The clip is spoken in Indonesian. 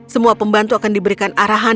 semua pembantu akan diberikan arahan yang ketat